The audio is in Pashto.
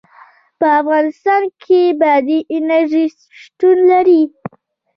په افغانستان کې بادي انرژي شتون لري.